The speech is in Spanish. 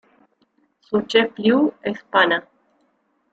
Su "chef-lieu" es Pana.